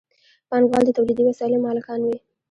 پانګوال د تولیدي وسایلو مالکان وي.